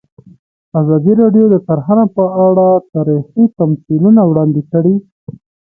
ازادي راډیو د کرهنه په اړه تاریخي تمثیلونه وړاندې کړي.